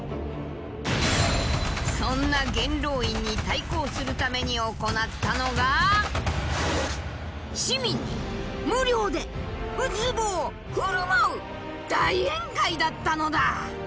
そんな元老院に対抗するために行ったのが市民に無料でウツボをふるまう大宴会だったのだ！